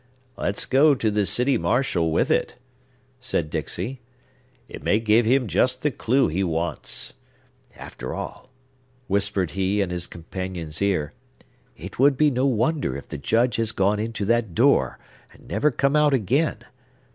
"Let's go to the city marshal with it!" said Dixey. "It may give him just the clew he wants. After all," whispered he in his companion's ear, "it would be no wonder if the Judge has gone into that door and never come out again!